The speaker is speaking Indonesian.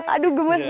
aduh gemes kan